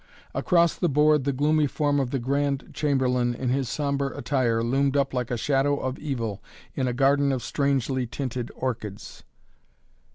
Across the board the gloomy form of the Grand Chamberlain in his sombre attire loomed up like a shadow of evil in a garden of strangely tinted orchids.